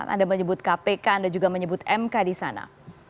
anda menyebut kpk anda juga menyebut mk di sana